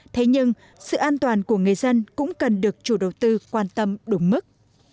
thế nhưng sự an toàn của người dân cũng cần được chủ đầu tư quan tâm đúng mức